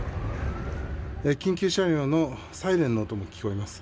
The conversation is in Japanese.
緊急車両のサイレンの音も聞こえます。